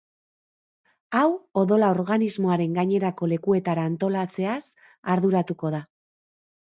Hau odola organismoaren gainerako lekuetara antolatzeaz arduratuko da.